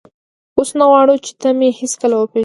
اوس نه غواړم چې ته مې هېڅکله وپېژنې.